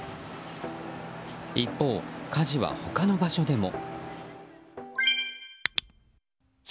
一方、火事は他の場所でも。